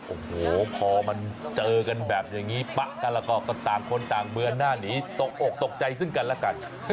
โอ้โหพอมันเจอกันแบบอย่างนี้ป๊ะกันแล้วก็ต่างคนต่างเบือนหน้าหนีตกอกตกใจซึ่งกันแล้วกัน